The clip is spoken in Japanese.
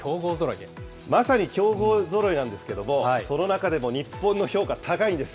まさに強豪ぞろいなんですけれども、その中でも日本の評価、高いんです。